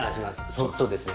ちょっとですね。